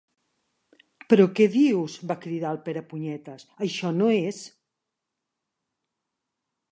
Però què dius? —va cridar el Perepunyetes— Això no és!